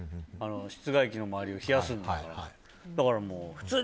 室外機の周りを冷やすんだから。